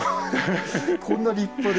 こんな立派で。